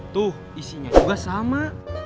tuh isinya juga sama